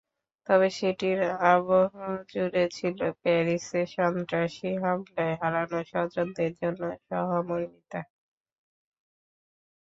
তবে সেটির আবহজুড়ে ছিল প্যারিসে সন্ত্রাসী হামলায় হারানো স্বজনদের জন্য সহমর্মিতা।